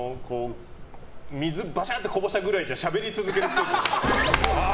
水バシャッとこぼしたくらいじゃしゃべり続けるっぽい。